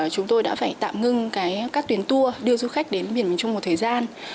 chúng tôi đã phải tạm ngưng các tuyến tour đưa du khách đến biển miền trung một thời gian